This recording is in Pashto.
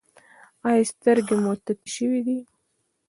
ایا سترګې مو تتې شوې دي؟